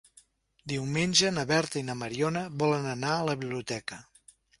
Diumenge na Berta i na Mariona volen anar a la biblioteca.